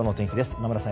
今村さん